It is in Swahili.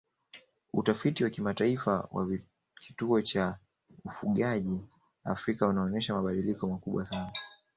Utafiti wa kimataifa wa kituo cha ufugaji Afrika unaonyesha mabadiliko makubwa sana